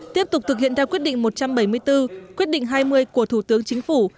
tiếp tục thực hiện theo quyết định một trăm bảy mươi bốn quyết định hai mươi của thủ tướng chính phủ